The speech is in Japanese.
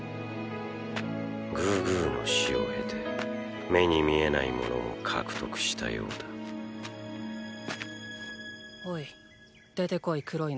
グーグーの死を経て目に見えないものも獲得したようだおい出てこい黒いの。